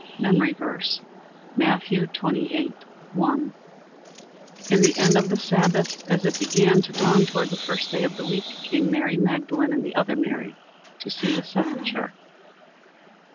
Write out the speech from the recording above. MEMORY VERSE, Matthew 28: 1 "In the end of the Sabbath, as it began to dawn toward the first day of the week, came Mary Magdalene and the other Mary to see the sepulchre."